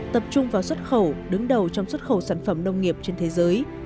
tập trung vào xuất khẩu đứng đầu trong xuất khẩu sản phẩm nông nghiệp trên thế giới